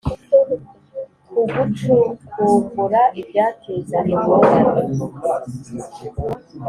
ku gucukumbura ibyateza ingorane